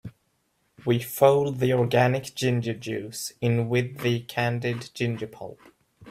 We fold the organic ginger juice in with the candied ginger pulp.